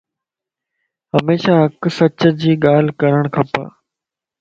ھميشا ھق سچ جي ڳالھه ڪرڻ کپ